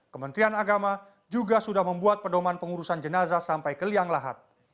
kementrian agama juga sudah membuat perdomaan pengurusan jenazah sampai keliang lahat